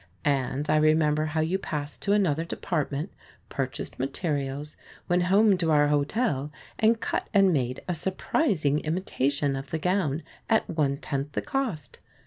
And I remember how you passed to another department, purchased materials, went home to our hotel, and cut and made a surprising imitation of the gown at one tenth the cost.